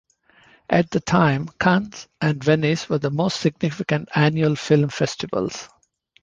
At the time, Cannes and Venice were the most significant annual film festivals.